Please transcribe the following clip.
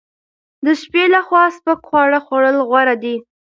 د شپې لخوا سپک خواړه خوړل غوره دي.